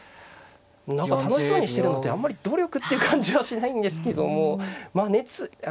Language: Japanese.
何か楽しそうにしてるのであんまり努力って感じはしないんですけどもまあ熱意はあるなっていう。